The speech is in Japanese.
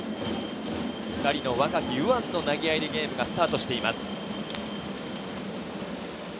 ２人の若き右腕の投げ合いでゲームがスタートしています。